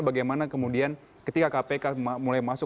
bagaimana kemudian ketika kpk mulai masuk